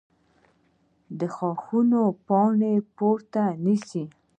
ښاخونه پاڼې پورته نیسي